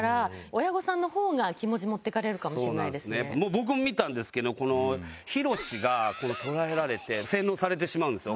僕も見たんですけどひろしが捕らえられて洗脳されてしまうんですよ。